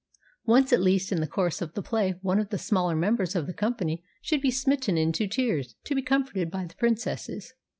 " Once at least in the course of the play one of the smaller members of the company should be smitten into tears, to be comforted by the princesses.